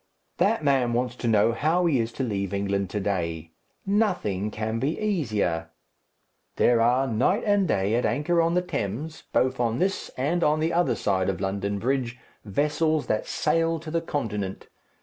"That man wants to know how he is to leave England to day. Nothing can be easier. There are night and day at anchor on the Thames, both on this and on the other side of London Bridge, vessels that sail to the Continent.